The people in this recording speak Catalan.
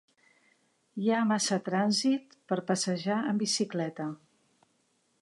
Hi ha massa trànsit per passejar amb bicicleta.